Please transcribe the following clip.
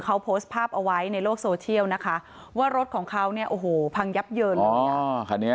เขาโพสต์ภาพเอาไว้ในโลกโซเชียลนะคะว่ารถของเขาเนี่ยโอ้โหพังยับเยินเลยเนี่ย